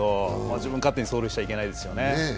自分勝手に走塁しちゃいけないですよね。